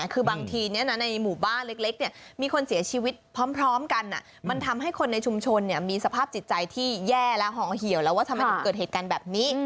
คือบางทีในหมู่บ้านเล็กมีคนเสียชีวิตพร้อมกันมันทำให้คนในชุมชนมีสภาพจิตใจที่แย่และห่องเหี่ยวแล้วว่าทำไมถึงเกิดเหตุการณ์แบบนี้